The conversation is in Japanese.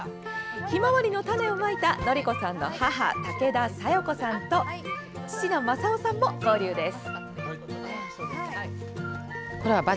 ひまわりの種をまいた典子さんの母・武田佐代子さんと父の正雄さんも合流です。